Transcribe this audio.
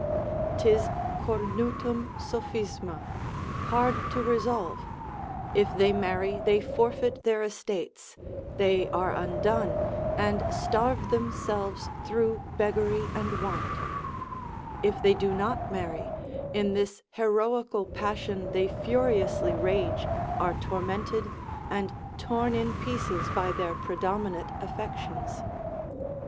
'Tis cornutum sophisma, hard to resolve, if they marry they forfeit their estates, they are undone, and starve themselves through beggary and want: if they do not marry, in this heroical passion they furiously rage, are tormented, and torn in pieces by their predominate affections.